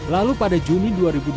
lalu pada juni dua ribu dua puluh